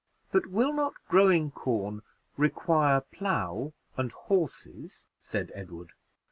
"But will not growing corn require plow and horses?" said Edward.